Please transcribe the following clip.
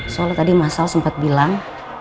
soalnya tadi mas sal sempat bilang